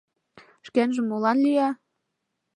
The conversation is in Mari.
Шкенжым молан лӱя?